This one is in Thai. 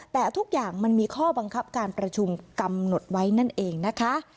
แต่ทุกอย่างมันมีข้อบังคับการประชุมกำหนดไว้นั่นเองนะคะ